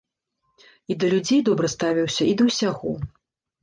І да людзей добра ставіўся, і да ўсяго.